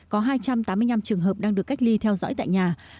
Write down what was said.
có hai trăm tám mươi năm trường hợp đang được cách ly theo dõi tại nhà